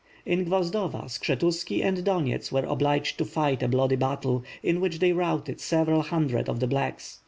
In Gvozdova, Skshetuski and Donyets were obliged to fight a bloody battle, in which they routed several hundred of the '"blacks."